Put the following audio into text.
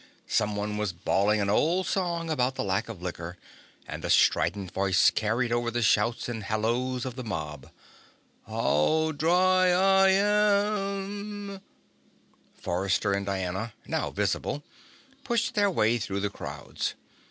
Someone was bawling an old song about the lack of liquor, and the strident voice carried over the shouts and halloos of the mob: "_How dry I am _" Forrester and Diana, now visible, pushed their way through the crowds.